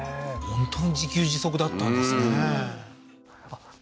本当に自給自足だったんですねえっ？